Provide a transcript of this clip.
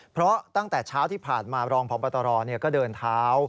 เพราะตั้งแต่เช้าที่ผ่านมารองพบตรก็เดินเท้า